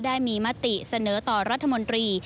ได้มีมติเสนอต่อรัฐมนตรี